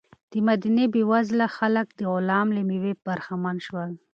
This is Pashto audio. د مدینې بېوزله خلک د غلام له مېوې برخمن شول.